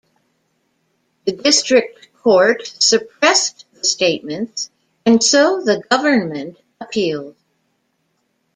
The district court suppressed the statements, and so the government appealed.